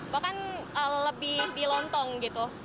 bahkan lebih dilontong gitu